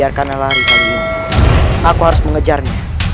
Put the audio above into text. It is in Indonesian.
aku harus mengejarnya